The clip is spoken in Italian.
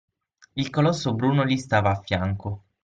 Il colosso bruno gli stava a fianco.